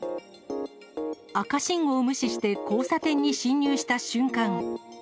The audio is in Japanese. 赤信号を無視して交差点に進入した瞬間。